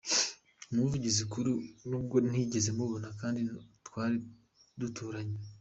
Umuvuze ukuli n’ubwo ntigeze mubona kandi twali duturanye.